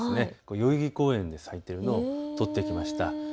代々木公園で咲いているのを撮ってきました。